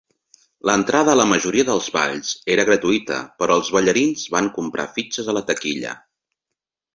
L'entrada a la majoria dels balls era gratuïta però els ballarins van comprar fitxes a la taquilla.